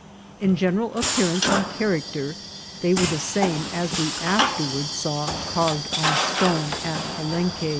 In general appearance and character they were the same as we afterward saw carv ed on stone at Palenque.